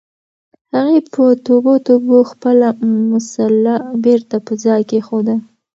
هغې په توبو توبو خپله مصلّی بېرته په ځای کېښوده.